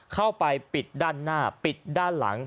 เข้าไปปิดด้านหน้าปิดด้านหลัง